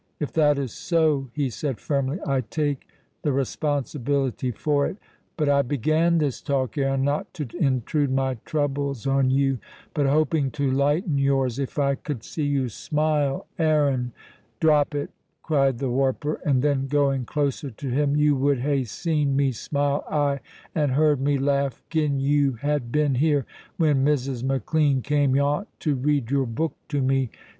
"If that is so," he said firmly, "I take the responsibility for it. But I began this talk, Aaron, not to intrude my troubles on you, but hoping to lighten yours. If I could see you smile, Aaron " "Drop it!" cried the warper; and then, going closer to him: "You would hae seen me smile, ay, and heard me laugh, gin you had been here when Mrs. McLean came yont to read your book to me.